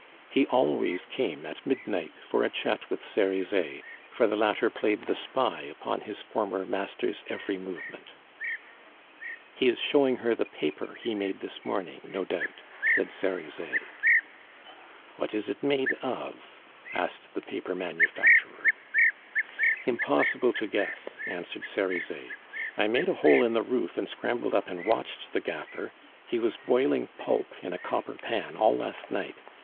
He always came at midnight for a chat with Cerizet, for the latter played the spy upon his former master's every movement. "He is showing her the paper he made this morning, no doubt," said Cerizet. "What is it made of?" asked the paper manufacturer. "Impossible to guess," answered Cerizet; "I made a hole in the roof and scrambled up and watched the gaffer; he was boiling pulp in a copper pan all last night.